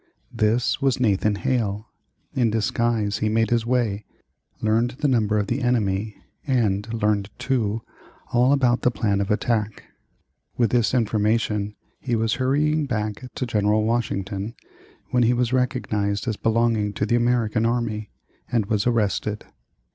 This was Nathan Hale. In disguise he made his way, learned the number of the enemy, and learned, too, all about the plan of attack. With this information he was hurrying back to General Washington, when he was recognized as belonging to the American army, and was arrested.